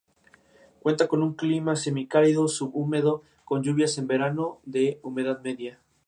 Cuenta con un clima semicálido subhúmedo con lluvias en verano, de humedad media.